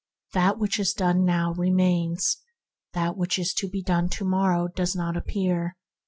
What is done now remains; what is to be done to morrow does not appear.